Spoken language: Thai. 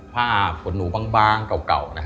ผ้าผลหนูบางเก่านะฮะ